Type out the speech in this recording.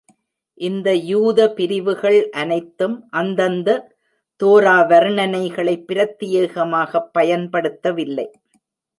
இந்த யூத பிரிவுகள் அனைத்தும் அந்தந்த தோரா வர்ணனைகளை பிரத்தியேகமாக பயன்படுத்தவில்லை.